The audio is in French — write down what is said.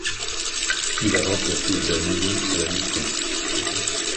Il a remplacé Djaniny à la mi-temps.